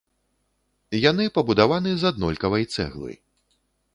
Яны пабудаваны з аднолькавай цэглы.